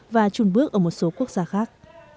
và chun bước ở một số quốc gia khác